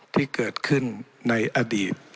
ที่เกิดขึ้นในอดีต